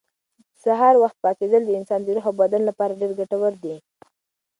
د سهار وختي پاڅېدل د انسان د روح او بدن لپاره ډېر ګټور دي.